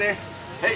はい。